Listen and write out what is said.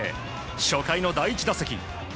初回の第１打席。